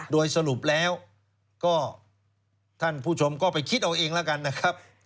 โดยสรุปแล้วก็ท่านผู้ชมก็ไปคิดเอาเองแล้วกันนะครับ